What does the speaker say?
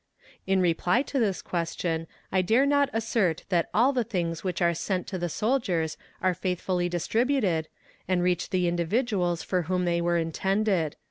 In reply to this question I dare not assert that all the things which are sent to the soldiers are faithfully distributed, and reach the individuals for whom they were intended.